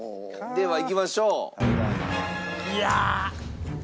ではいきましょうか。